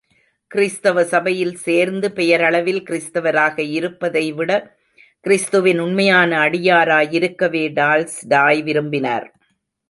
கிறிஸ்தவ சபையில் சேர்ந்து பெயரளவில் கிறிஸ்தவராகயிருப்பதைவிட, கிறிஸ்துவின் உண்மையான அடியாராயிருக்கவே டால்ஸ்டாய் விரும்பினார்.